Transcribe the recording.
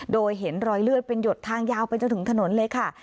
โดยเห็นรอยเลือดเป็นหยดทางยาวไปจนถึงถนนเลยค่ะ